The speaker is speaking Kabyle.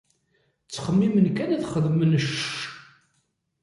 Ttxemmimen kan ad xedmen cce..